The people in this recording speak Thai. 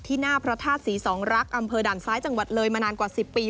หน้าพระธาตุศรีสองรักษ์อำเภอด่านซ้ายจังหวัดเลยมานานกว่า๑๐ปี